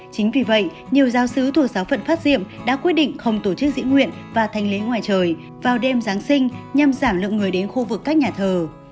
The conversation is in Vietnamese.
chính vì vậy nhiều giáo sứ thuộc giáo phận phát diệm đã quyết định không tổ chức diễu nguyện và thanh lý ngoài trời vào đêm giáng sinh nhằm giảm lượng người đến khu vực các nhà thờ